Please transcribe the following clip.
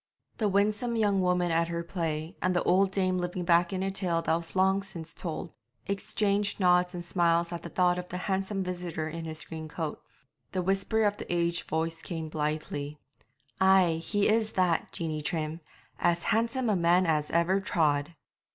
The winsome young woman at her play, and the old dame living back in a tale that was long since told, exchanged nods and smiles at the thought of the handsome visitor in his green coat. The whisper of the aged voice came blithely 'Ay, he is that, Jeanie Trim; as handsome a man as ever trod!'